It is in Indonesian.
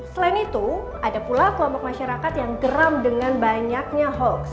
selain itu ada pula kelompok masyarakat yang geram dengan banyaknya hoax